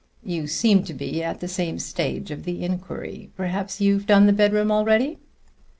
You seem to be at the same stage of the inquiry. Perhaps you've done the bedroom already?"